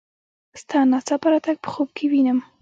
ستا ناڅاپه راتګ په خوب کې وینم.